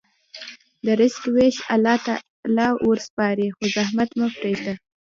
د رزق ویش الله تعالی ته وسپارئ، خو زحمت مه پرېږدئ.